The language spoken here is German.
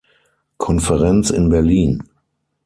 Konferenz in Berlin.